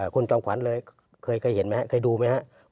คุณจอมขวัญเลยเคยเห็นไหมครับเคยดูไหมครับ